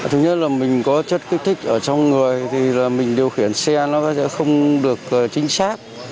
thứ nhất là mình có chất kích thích ở trong người thì mình điều khiển xe nó sẽ không được chính xác